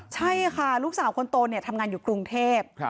ใช่ค่ะลูกสาวคนโตทำงานอยู่กรุงเทพ